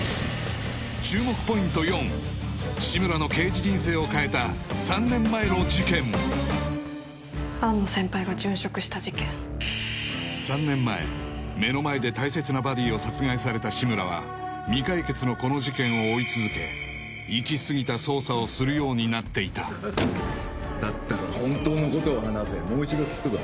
注目志村の刑事人生を変えた３年前の事件安野先輩が殉職した事件３年前目の前で大切なバディを殺害された志村は未解決のこの事件を追い続け行き過ぎた捜査をするようになっていただったら本当のことを話せもう一度聞くぞ